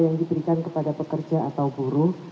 yang diberikan kepada pekerja atau buruh